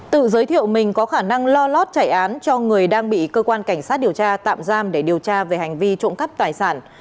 tự giới thiệu mình có khả năng lo lót chảy án cho người đang bị cơ quan cảnh sát điều tra tạm giam để điều tra về hành vi trộm cắp tài sản